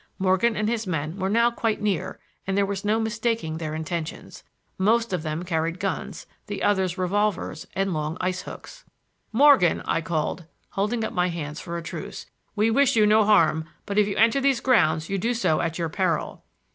Morgan and his men were now quite near, and there was no mistaking their intentions. Most of them carried guns, the others revolvers and long ice hooks. "Morgan," I called, holding up my hands for a truce, "we wish you no harm, but if you enter these grounds you do so at your peril."